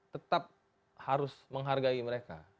tetap harus menghargai mereka